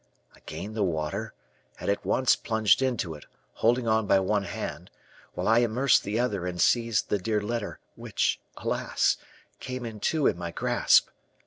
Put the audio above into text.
I gained the water, and at once plunged into it, holding on by one hand, while I immersed the other and seized the dear letter, which, alas! came in two in my grasp.